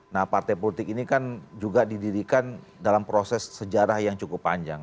nah partai politik ini kan juga didirikan dalam proses sejarah yang cukup panjang